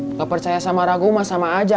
nggak percaya sama ragu mah sama aja